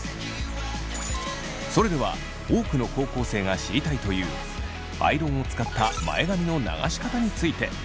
それでは多くの高校生が知りたいというアイロンを使った前髪の流し方について。